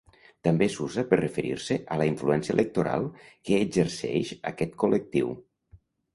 També s'usa per referir-se a la influència electoral que exerceix aquest col·lectiu.